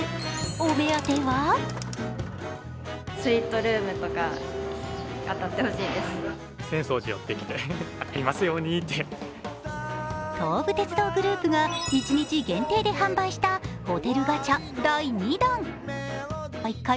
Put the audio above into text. お目当ては東武鉄道グループが１日限定で販売したホテルガチャ第２弾。